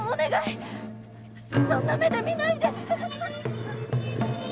そんな目で見ないで。